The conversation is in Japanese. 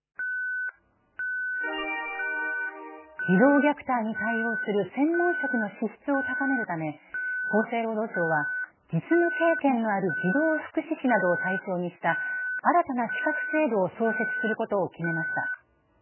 児童虐待に対応する専門職の資質を高めるため、厚生労働省は実務経験のある児童福祉司などを対象にした、新たな資格制度を創設することを決めました。